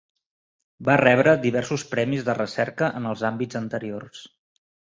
Va rebre diversos premis de recerca en els àmbits anteriors.